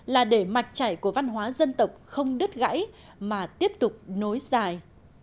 là để mạch chảy của văn hóa dân tộc không đứt gãy mà tiếp tục nối dài